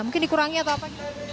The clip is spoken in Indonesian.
mungkin dikurangi atau apa